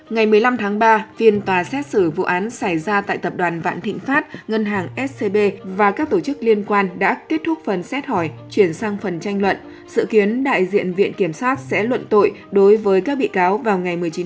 ngày một mươi năm tháng ba phiên tòa xét xử vụ án xảy ra tại tập đoàn vạn thịnh pháp ngân hàng scb và các tổ chức liên quan đã kết thúc phần xét hỏi chuyển sang phần tranh luận sự kiến đại diện viện kiểm sát sẽ luận tội đối với các bị cáo vào ngày một mươi chín tháng một